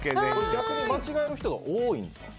逆に間違える人が多いんですか？